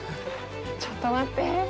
ちょっと待って。